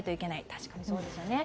確かにそうですよね。